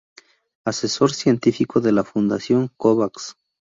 Asesor científico de la Fundación Kovacs.